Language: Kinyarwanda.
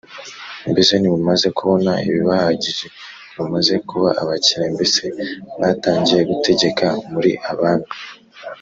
Mbese ntimumaze kubona ibibahagije Ntimumaze kuba abakire Mbese mwatangiye gutegeka muri abami